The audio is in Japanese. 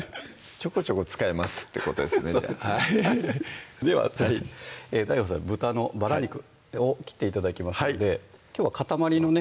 ちょこちょこ使いますってことそうですねでは次ＤＡＩＧＯさん豚のバラ肉を切って頂きますのできょうはかたまりのね